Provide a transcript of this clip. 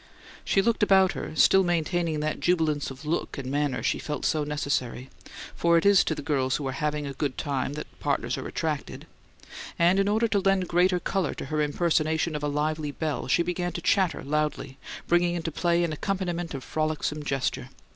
She looked about her, still maintaining that jubilance of look and manner she felt so necessary for it is to the girls who are "having a good time" that partners are attracted and, in order to lend greater colour to her impersonation of a lively belle, she began to chatter loudly, bringing into play an accompaniment of frolicsome gesture.